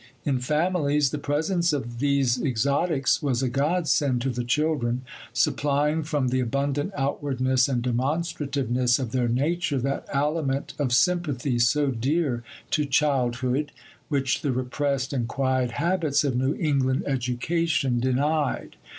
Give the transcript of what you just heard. In families, the presence of these exotics was a godsend to the children, supplying from the abundant outwardness and demonstrativeness of their nature that aliment of sympathy so dear to childhood, which the repressed and quiet habits of New England education denied.